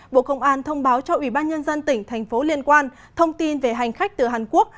bộ công an thông báo cho ủy ban nhân dân tỉnh thành phố liên quan thông tin về hành khách từ hàn quốc